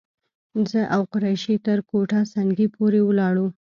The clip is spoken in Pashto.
زه او قریشي تر کوټه سنګي پورې ولاړو.